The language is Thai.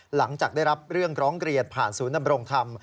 หลังจากได้รับเรื่องร้องเรียนผ่านศูนย์นำรงธรรม